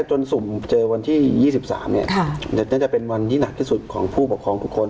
สุ่มเจอวันที่๒๓น่าจะเป็นวันที่หนักที่สุดของผู้ปกครองทุกคน